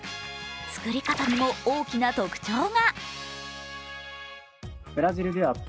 作り方にも大きな特徴が。